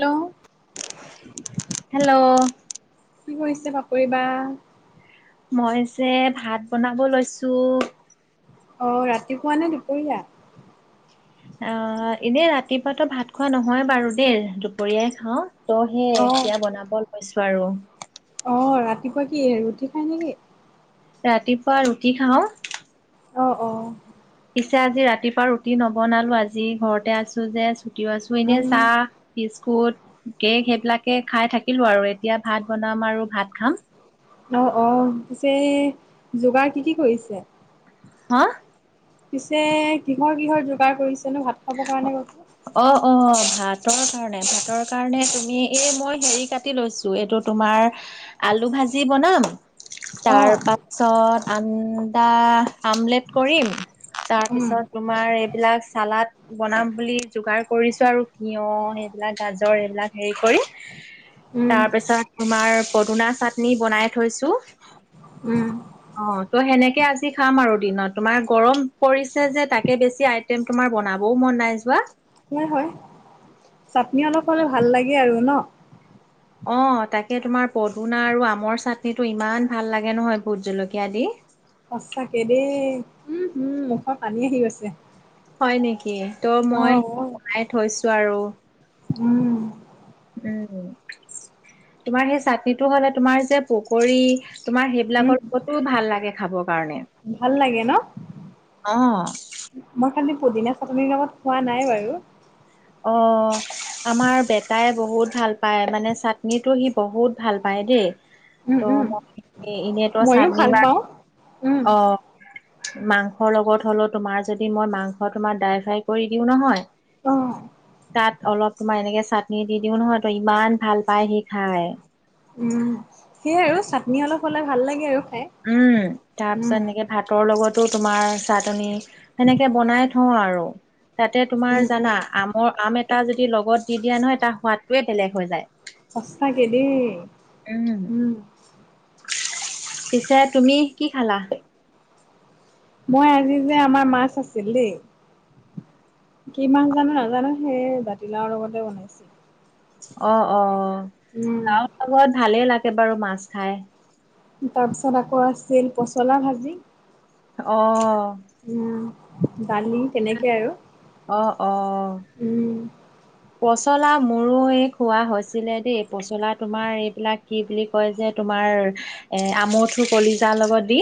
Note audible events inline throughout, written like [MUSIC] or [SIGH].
Hello. Hello কি কৰিছে বাপৰি বা? মইযে ভাত বনাব লৈছো। অ', ৰাতিপুৱা নে দুপৰীয়া? অ', এনে ৰাতিপুৱাতো ভাত খোৱা নহয় বাৰু দেই দুপৰীয়াই খাও। ত'সেই অ', সেয়া বনাব লৈছো আৰু। অ', ৰাতিপুৱা কি ৰুটি খাই নেকি? ৰাতিপুৱা ৰুটি খাওঁ। অ', অ'। পিছে আজি ৰাতিপুৱা ৰুটি নবনালো আজি ঘৰতে আছো যে ছুটিও আছো এনে উম, চাহ বিস্কুট কেক সেইবিলাকে খাই থাকিলো আৰু এতিয়া ভাত বনাম আৰু ভাত খাম। অ', অ, পিছে যোগাৰ কি কি কৰিছে? হা? পিছে কিহৰ কিহৰ যোগাৰ কৰিছেনো ভাত খাব কাৰণে? অ', অ', ভাতৰ কাৰণে ভাতৰ কাৰণে তুমি এই মই হেৰি কাটি লৈছো এইটো তোমাৰ আলু ভাজি বনাম তাৰ অ', পাছত আনদা আমলেট কৰিম তাৰ উম, পিছত তোমাৰ এইবিলাক চালাদ বনাম বুলি যোগাৰ কৰিছোঁ আৰু য়হ এইবিলাক গাজৰ এইবিলাক হেৰি কৰি। উম, তাৰ পিছত তোমাৰ পদুনা চাটনি বনাই থৈছোঁ। উম, অ, ত' সেনেকে আজি খাম আৰু দিনত তোমাৰ গৰম পৰিছে যে তাকে বেছি আ ম তোমাৰ বনাবও মন নাই যোৱা। হয়, হয়, চাটনি অলপ হ'লে ভাল লাগে আৰু ন? অ, তাকে তোমাৰ পদুনা আৰু আমৰ চাটনিটো ইমান ভাল লাগে নহয় ভোট জলকীয়া দি। সঁচাকে, দেই উম উম মুখৰ পানী আহি গৈছে। হয় নেকি ত' অ', মই অ', বনাই থৈছোঁ আৰু। উম, উম, তোমাৰ সেই চাটনিটো হলে তোমাৰ যে পকৰী তোমাৰ উম। সেইবিলাকৰ লগতো ভাল লাগে খাবৰ কাৰণে। ভাল লাগে ন? অহ। মই খালি পুদিনা চাটনিৰ লগত খোৱা নাই বাৰু। অ', আমাৰ বেটাই বহুত ভাল পায়। মানে চাটনিটো সি বহুত ভাল পায় দেই। উম, ত' উম। মই এনেতো মইয়ো চাটন ভাল বা পাওঁ। উম। অ, মাংস লগত হ'লেও তোমাৰ যদি মই মাংস তোমাৰ ড্ৰাই ফ্ৰাই কৰি দিও নহয়। অহ। তাত অলপ তোমাৰ এনেকে চাটনি দি দিও নহয় তো ইমান ভাল পাই সি খাই। উম, সেইয়াই আৰু। চাটনি অলপ হলে ভাল লাগে আৰু খাই। উম। তাৰ পিছত উম, এনেকে ভাতৰ লগতো তোমাৰ চাটনি সেনেকে বনাই থ থওঁ আৰু। তাতে তোমাৰ উম, উম। জানা আমৰ আম এটা টা যদি লগত দি দিয়া নহয়, তাৰ সোৱাদটোৱেই বেলেগ হৈ যায়। সঁচাকে দেই, উম। পিছে তুমি কি খালা? মই আজি যে আমাৰ মাছ আছিল দেই। কি মাছ জানো নাজানো, সেই জাতিলাউৰ লগতে বনাইছিলো। অ', অ, উম। লাওৰ লগত ভালেই লাগে বাৰু মাছ খাই। তাৰপিছত আকৌ আছিল পচলা ভাজি। অহ। উম দালি তেনেকেই আৰু। অ', অ। উম। পচলা মোৰো এই খোৱা হৈছিলে দেই পচলা তোমাৰ এইবিলাক কি বুলি কয় যে? তোমাৰ আমঠু কলিজাৰ লগত দি।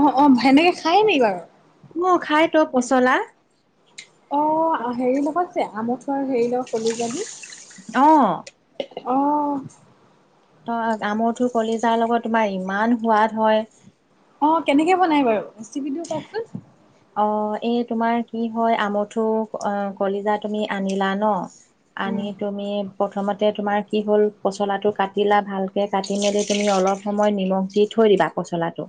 অ', অ সেনেকে খায় নেকি বাৰু? উম, খাই তো পচলা। অ', হেৰি লগত যে আমঠু আৰু হেৰি লগত কলিজা দি। অহ। অহ। আমঠুৰ কলিজাৰ লগত তোমাৰ ইমান সোৱাদ হয়। অ', কেনেকে বনাই বাৰু ৰেচিপিটো কওকচোন? অ', এই তোমাৰ কি হয় আমুঠু কলিজা তুমি আনিলা ন। আনি উম, তুমি। প্ৰথমতে তোমাৰ কি হ'ল পচলাটো কাটিলা ভালকৈ, কাটি মেলি তুমি অলপ সময় নিমখ দি থৈ দিবা। পচলাটো।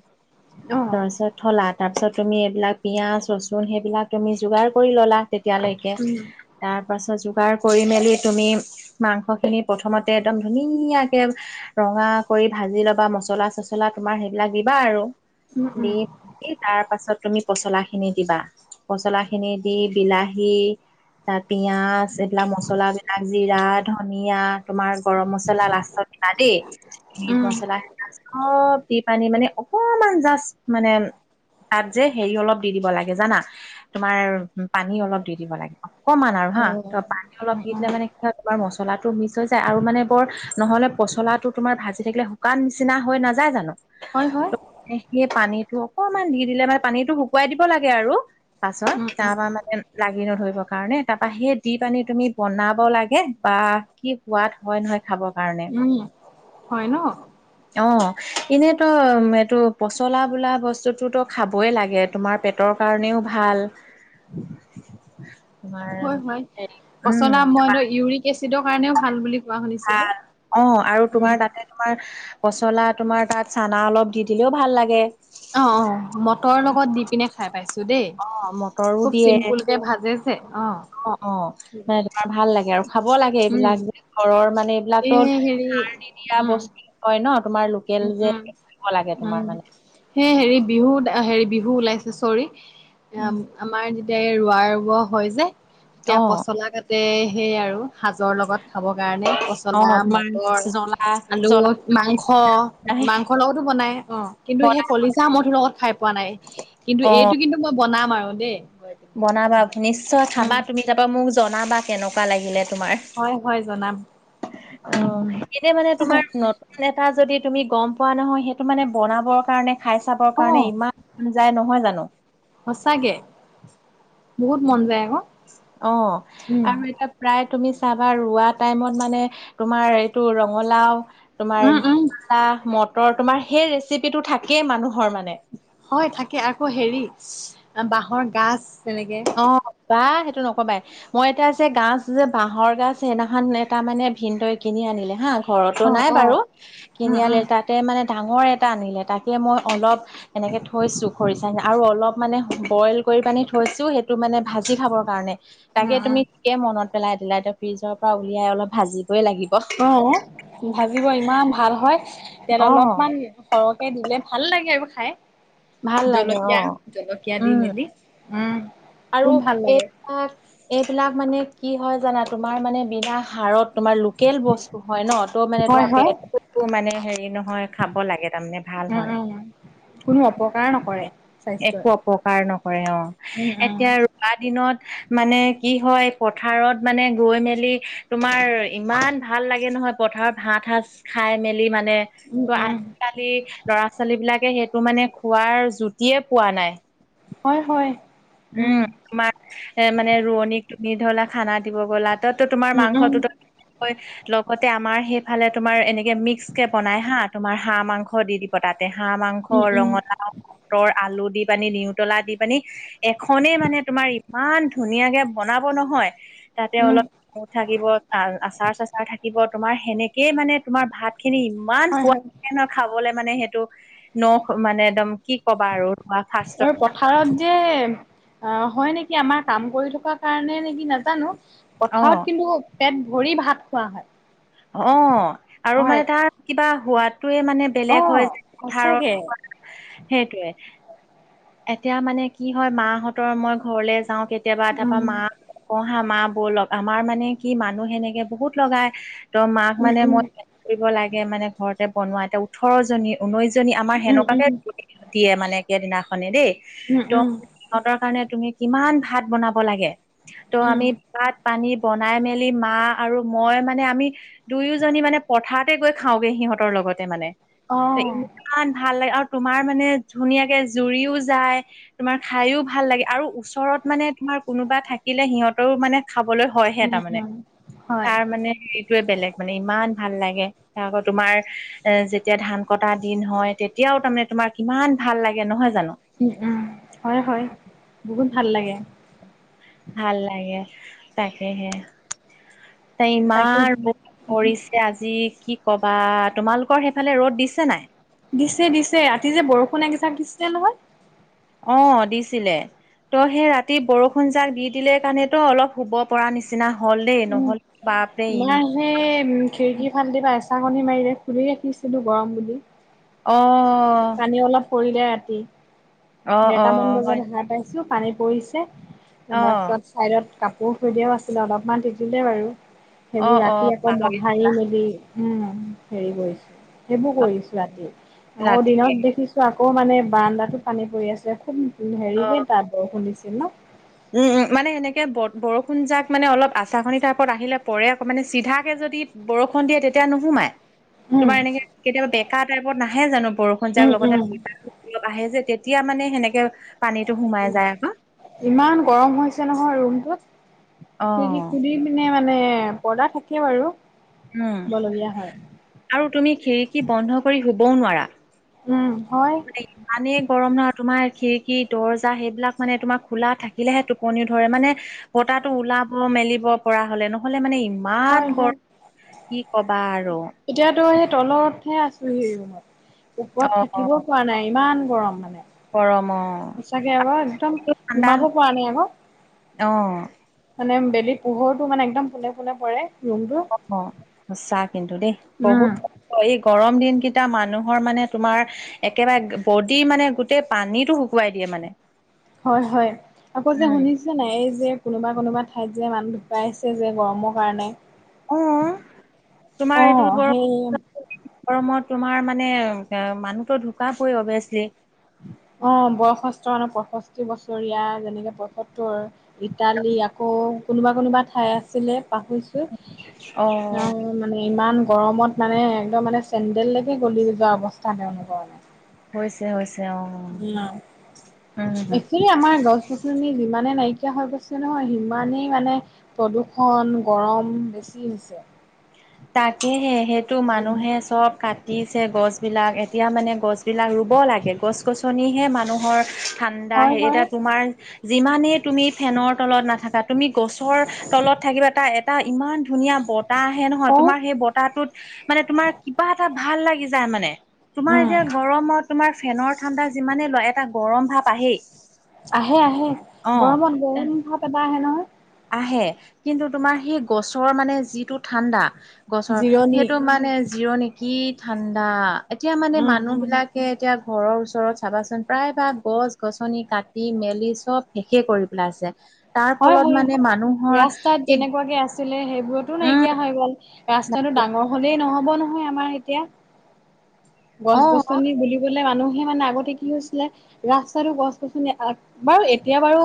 অহ। তাৰপিছত থলা, তাৰপিছত তুমি এইবিলাক পিঁয়াজ ৰচুন সেইবিলাক তুমি যোগাৰ কৰি ল'লা তেতিয়ালৈকে। উম। [INAUDIBLE] তাৰ পাছত যোগাৰ কৰি মেলি তুমি মাংস খিনি প্ৰথমতে একদম ধুনীয়াকে ৰঙা কৰি ভাজি ল'বা, মচলা চচলা তোমাৰ সেইবিলাক দিবা আৰু উম, দি উম, তাৰ পাছত তুমি পচলা খিনি দিবা, পচলা খিনি দি বিলাহী তাত পিঁয়াজ এইবিলাক মছলাবিলাক জিৰা ধনিয়া তোমাৰ গৰম মছলা লাষ্টত দিবা দেই। মিট উম। মচলা চব দি পানী মানে অকমান জাষ্ট মানে তাত যে হেৰি অলপ দি দিব লাগে জানা, তোমাৰ পানী অলপ দি দিব লাগে। অকমান আৰু অ'। হা ত' উম, পানী অলপ দি উম, দিলে মানে তোমাৰ মচলাটো মিছ হৈ যায় আৰু মানে বৰ নহ'লে পচলাটো তোমাৰ ভাজি থাকিলে শুকান নিচিনা হৈ নাযায় জানো। হয়, হয়। এ সেই পানীতটো অকনমান দি দিলে মানে, পানীটো শুকুৱাই দিব লাগে আৰু। পাছত উম, তাৰ উম, পৰা মানে লাগি নধৰিব কাৰণে তাৰাপা সেই দি পানী তুমি বনাব লাগে বা কি সোৱাদ হয় নহয় খাবৰ কাৰণে উম। হয় ন অ', এনেই তো উ এইটো পচলা বোলা বস্তু বস্তুতো খাবই লাগে তোমাৰ পেটৰ কাৰণেও ভাল। তোমাৰ হয়, হে উম তোমাৰ কেচিডৰ কাৰণেও ভাল বুলি কোৱা শুনিছিলোঁ। ভাল অ', আৰু তোমাৰ উম, তাতে তোমাৰ পচলা তোমাৰ তাত চানা অলপ দি দিলেও ভাল লাগে অ', অ', মটৰ লগত দি পিনে খাই পাইছোঁ দেই অ মটৰো খুব দিয়ে চিম্পুল তে ভাজেছে অ'। অ', অ', তোমাৰ ভাল লাগে আৰু খাব লাগে উম। এইবিলাক যে ঘৰৰ মানে এইবিলাকতো এই হেৰি সাৰ নিদিয়া উম, বস্তু হয় ন তোমাৰ লোকেল যে খাব লাগে তোমাৰ মানে সেয় হেৰি বিহুত হেৰি বিহু ওলাইছে চৰি উম, আমাৰ যেতিয়া এই ৰোৱা ৰৱ হৈ যায় তেতিয়া অ', পচলা কাটে সেই আৰু সাজৰ লগত খাব কাৰণে পচলা অ', তোমাৰ মটৰ জ্বলা আলু জ্বলা মাংস অ', মাংসৰ লগতো বনাই অ', কিন্তু সেই বনা কলিজা মথুৰ লগত খাই পোৱা নাই কিন্তু এইটো অ', কিন্তু মই বনাম আৰু দেই। পিনে বনাবা এবাৰ নিশ্চয় উম খাবা তুমি তাৰাপা মোক জনাবা কেনেকুৱা লাগিলে তোমাৰ। হয় হয় জনাম উম অ', উম এনে মানে তোমাৰ ন ইমান এটা যদি তুমি গম পোৱা নহয় সেইটো মানে বনাবৰ কাৰণে খাই চাবৰ অ কাৰণে ইমান যাই নহয় জানো। সঁচাকে বহুত মন যায় আকৌ অ' উম। আৰু এতিয়া প্ৰায় তুমি চাবা ৰোৱা টাইমত মানে তোমাৰ এইটো ৰঙালাও তোমাৰ উম উম পা মটৰ তোমাৰ সেই ৰেচিপিটো থাকেই মানুহৰ মানে হয়, থাকে আকৌ হেৰি বহৰ গাজ তেনেকে অ', বা সেইটো নকবাই মই এটা যে গছ যে বাহৰ গছ সেইদিনাখন এটা মানে ভিনদৈ কিনি আনিলে হা ঘৰতো অ নাই অ বাৰু উম কিনি আলে উম তাতে মানে ডাঙৰ এটা আনিলে তাকে মই অলপ এনেকে থৈছো খৰিচা আৰু অলপ মানে বইল কৰি পানি থৈছো সেই টো মানে ভাজি খাবৰ কাৰণে উম, তাকে উম। তুমি এতিয়া মনত পেলাই দিলাই এয়া ফ্ৰিজৰ পৰা উলিয়াই অলপ ভাজিবই লাগিব। অ', ভাজিব ইমান ভাল হয় তেল অলপমান অ', সৰহকে দিলে ভাল লাগে আৰু খাই ভাল লাগে জলকীয়া অ', জলকীয়া দি উম। মেলি উম। আৰু এইবিলাক এইবিলাক মানে কি হয় জানা তোমাৰ মানে বিনা হাৰত তোমাৰ লোকেল বস্তু হয় ন ত' মানে হয় হয় তোমাৰে মানে হেৰি নহয় খাব লাগে তাৰমানে ভাল উম হয়। উম কোনো অপকাৰ নকৰে স্বাস্থ্যই একো অপকাৰ নকৰে অ উম উম এতিয়া আৰু দিনত মানে কি হয় পথাৰত মানে গৈ মেলি তোমাৰ ইমান ভাল লাগে নহয় পথাৰত ভাত সাঁজ খাই মেলি মানে। উম, ত উম। আজিকালি ল'ৰা ছোৱালীবিলাকে সেইটো মানে খোৱাৰ জুতিয়ে পোৱা নাই। হয়, হয়। উম উমন তোমাৰ এ মানে ৰোৱনীক তুমি ধৰিলা খানা দিব গ'লা। তাততো তোমাৰ উম উম মাংসটো লগতে আমাৰ সেইফালে তোমাৰ এনেকে মিক্স কে বনাই হা তোমাৰ হাঁহ মাংস দি দিব তাত। হা মাংস উম উম ৰঙলা মটৰ আলু দি পানি নিউতলা দি পানি। এখনেই মানে তোমাৰ ইমান ধুনীয়াকে বনাব নহয়। তাতে উম অলপ ক থাকিব আচাৰ চাচাৰ থাকিব তোমাৰ সেনেকেই মানে তোমাৰ ভাতখিনি ইমান সোৱাদ লাগে [INAUDIBLE] খাবলে মানে সেইটো নখ মানে একদম কি কবা আৰু ফাৰ্ষ্টত আৰু পথাৰত যে অ' হয় নেকি আমাৰ কাম কৰি থকা কাৰণে নেকি নাজানো। অ'। পথাৰত কিন্তু পেট ভৰি ভাত খোৱা হয়। অ', আৰু হয় মানে তাৰ কিবা সোৱাদটোয়ে মানে বেলেগ হয় অ' যে সঁচাকে। পথাৰত। সেইটোৱে। এতিয়া মানে কি হয় মাহঁতৰ মই ঘৰলে যাওঁ কেতিয়াবা তাৰপা উম, মা অ', হা মা বলগক আমাৰ মানে কি মানুহ সেনেকে বহুত লগাই ত মাক মানে মই উম, কৰিব লাগে মানে ঘৰতে বনোৱা এ ওঠৰ জনী ঊনৈশ জনী আমাৰ উম, উম, সেনেকুৱাকে উম, দিয়ে মানে একে দিনাখনে দেই। উম, ত' উম, সিহঁতৰ কাৰণে তুমি কিমান ভাত বনাব লাগে ত' উম। আমি ভাত পানী বনাই মেলি মা আৰু মই মানে আমি দুয়োজনী মানে পথাৰত ততে গৈ খাওঁগে সিহঁতৰ লগতে মানে। অ'। ইমান ভাল লাগে আৰু তোমাৰ মানে ধুনীয়াকে জুৰিও যায়। তোমাৰ খাইও ভাল লাগে আৰু ওচৰত মানে তোমাৰ কোনোবা থাকিলে সিহঁতৰও মানে খাবলৈ হয়হে উম, তাৰ মানে উম, হয়, তাৰ মানে হেৰিটোয়ে বেলেগ মানে ইমান ভাল লাগে। আকৌ তোমাৰ এ যেতিয়া ধান কটা দিন হয় তেতিয়াও তাৰমানে তোমাৰ কিমান ভাল লাগে। নহয় জানো। উম, উম, হয়, হয় বহুত ভাল লাগে। ভাল লাগে তাকেহে। তাই তাকে। [UNINTELLIGIBLE] এয়া আজি কি কবা তোমালোকৰ সেইফালে ৰ'দ দিছে নাই? দিছে দিছে ৰাতি যে বৰষুণ একজাক দিছে নহয়। অ', দিছিলে ত' সেই ৰাতি বৰষুণজাক দি দিলে কাৰণতো অলপ শুব পৰা নিচিনা হ'ল দেই উম, নহ'লে বাপৰে মই ইমান সেই খিৰিকী ফাল্টিবা এচাৰকণী মাৰিল খুলি ৰাখিছিলো গৰম বুলি। অ'। পানী অলপ পৰিলে ৰাতি। অ অ দেৰটামান হয় বজাত সাৰ পাইছো পানী পৰিছে ত' অ তাৰপিছত চাইডত কাপোৰ থৈ দিয়াও আছিলে অলপমান টিটিলে বাৰু। অ সেইবোৰ অ ৰাতি আকৌ মহাৰি পাহৰিছিলা মেলি উম, হেৰি কৰিছো সেইবোৰ অ কৰিছো ৰাতি আকৌ ৰাতি দিনত দেখিছো ত' আকৌ মানে বাৰাণ্ডাটো পানী পৰি আছে খুব অ হেৰিকে তাত বৰষুণ দিছিল ন। উম, মানে সেনেকে বৰষুণ যাক মানে অলপ আচাখনি টাইপত আহিলে পৰে আকৌ মানে চিধাকে যদি বৰষুণ দিয়ে তেতিয়া নোসোমাই। উম তোমাৰ এনেকে কেতিয়াবা বেকা টাইপত নাহে জানো বৰষুণ যাক উম লগতে উম উম অলপ আহে যে তেতিয়া মানে সেনেকে পানীটো সোমাই যায় আকৌ। ইমান গৰম হৈছে নহয় ৰুমটোত অ খিৰিকি খুলি এনে মানে পৰ্দা থাকে বাৰু। উম, বলগীয়া হয় আৰু তুমি খিৰিকী বন্ধ কৰি শুবও নোৱাৰা। উম, হয়। মানে ইমানেই গৰম নহয় তোমাৰ খিৰিকী দৰ্জা সেইবিলাক মানে তোমাৰ খোলা থাকিলেহে টোপনি ধৰে মানে বতাহটো ওলাব মেলিব পৰা হলে নহ'লে মানে ই হয় ইমান হয় গৰম কি কবা আৰু। এতিয়াতো সেই তলতহে আছোহি ৰুমত অ ওপৰত থাকিবও পৰা নাই ইমান গৰম মানে। গৰম অ, সঁচাকে আকৌ একদম ঠাণ্ডা সুমাব পৰা নাই আকৌ। অ মানে বেলি পোহৰটো মানে একদম পোনে পোনে পৰে। ৰুমটো। অ', সঁচা কিন্তু দেই উম, বহুত এই গৰম দিন কেইটা মানুহৰ মানে তোমাৰ একেবাৰে বডি মানে গোটেই পানীটো শুকুৱাই দিয়ে মানে। হয় হয় আকৌ যে শুনিছোঁ [INAUDIBLE] নাই যে কোনোবা কোনোবা ঠাইত যে মানুহ ঢুকাইছে যে গৰমৰ কাৰণে, অ তোমাৰ অ, এইটো গৰম সেই গৰমত তোমাৰ মানে মানুহতো ঢুকা পৰে অভিয়াচলি। অ, বয়সষ্ঠ মানে পয়ষষ্ঠি বছৰীয়া যেনেকে পয়সত্তৰ ইটালী আকৌ কোনোবা কোনোবা ঠাই আছিলে পাহৰিছোঁ। অ মানে ইমান গৰমত মানে একদম মানে চেন্দেললৈকে গলি যোৱা অৱস্থা তেওঁলোকৰ। হৈছে হৈছে অ, উম হম [INAUDIBLE] এই আমাৰ গছ-গছনি যিমানে নাইকিয়া হৈ গৈছে নহয় সিমানেই মানে প্ৰদূ্ষণ, গৰম বেছি হৈছে। তাকেহে সেইটো মানুহে চব কাট- দিছে গছবিলাক এতিয়া মানে গছবিলাক ৰুব লাগে গছ-গছনিহে মানুহৰ, ঠাণ্ডা হয় আহে হয় এতিয়া তোমাৰ যিমানেই তুমি ফেনৰ তলত নাথাকা তুমি গছৰ তলত থাকিবা এটা এটা ইমান ধুনীয়া বতাহ আহে। নহয় হও। তোমাৰ সেই বতাহটোত মানে তোমাৰ কিবা এটা ভাল লাগি যায় মানে, তোমাৰ উম এতিয়া গৰমত তোমাৰ ফেনৰ ঠাণ্ডা যিমানে লয় এটা গৰম ভাৱ আহেই। আহে আহে, গৰমত অ গৰম ভাব এটা আহে নহয়। আহে, কিন্তু তোমাৰ সেই গছৰ মানে যিটো ঠাণ্ডা গছৰ জিৰণি। সেইটো মাত মানে জিৰ' নেকি ঠাণ্ডা এতিয়া মানে উম মানুহ উম বিলাক সে এতিয়া ঘৰৰ ওচৰত চাবাচোন প্ৰায় ভাগ গছ- গছনি কাটি মেলি চব শেষে কৰি পেলাইছে। তাৰ [INAUDIBLE] ফলত মানে মানুহৰ ৰাস্তাত এই যেনেকুৱাকে আছিলে সেইবোৰতো উম নাইকিয়া হৈ গল। ৰাস্তাটো ডাঙৰ হলেই নহ'ব নহয় আমাৰ এতিয়া, অ গছ-গছনি বুলিবলৈ মানুহে মানে আগতে কি হৈছিলে ৰাস্তাতো গছ-গছনি বাৰু এতিয়া বাৰু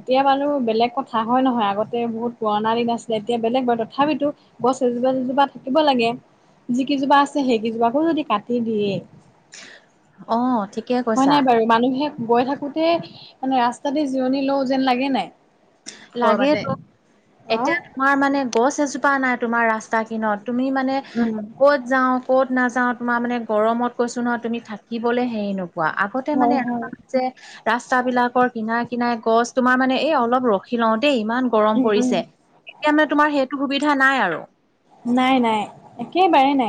এতিয়া বাৰু বেলেগ কথা হয় নহয় আগতে বহুত বৰ্ণালী দিন আছিলে এতিয়া বেলেগ আৰু তথাপিতো গছ এজোপা এজোপা থাকিব লাগে। যি কেইজোপা আছে সেইকেইজোপাকো যদি কাটি দিয়ে, অ ঠিকে হয় কৈছা নাই বাৰু? মানুহে গৈ থাকোতে মানে ৰাস্তাতে জিৰণি লও যেন লাগে নে নাই? কৰবাতে লাগেতো অ এতিয়া তোমাৰ মানে গছ এজোপা নাই তোমাৰ ৰাস্তা কিনত তুমি মানে ক'ত যাও, ক'ত নাযাওঁ তোমাৰ মানে গৰমত কৈছো নহয় তুমি থাকিবলৈ হেৰি নোপোৱা, আগতে মানে হয় হয় এনেকুৱা যে ৰাস্তা বিলাকৰ কিনা কিনাৰে গছ, তোমাৰ মানে এই অলপ ৰখি লও দেই ইমান গৰম উম উম পৰিছে। এতিয়া মানে তোমাৰ সেইটো সুবিধা নাই আৰু। নাই নাই একেবাৰেই নাই।